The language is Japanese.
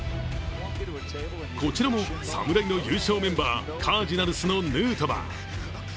こちらも侍の優勝メンバー、カージナルスのヌートバー。